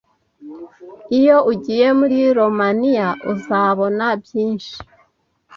Iyo ugiye muri Romania, uzabona byinshi.